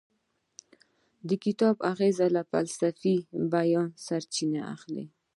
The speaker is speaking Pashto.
د کتاب اغیز له فلسفي بیانه سرچینه اخلي.